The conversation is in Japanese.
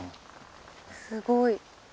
すごい。